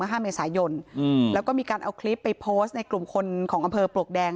ห้าเมษายนอืมแล้วก็มีการเอาคลิปไปโพสต์ในกลุ่มคนของอำเภอปลวกแดง